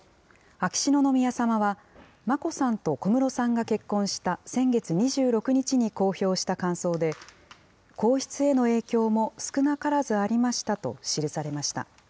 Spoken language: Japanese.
秋篠宮さまは、眞子さんと小室さんが結婚した先月２６日に公表した感想で、皇室への影響も少なからずありましたと記されました。